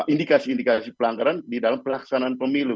indikasi indikasi pelanggaran di dalam pelaksanaan pemilu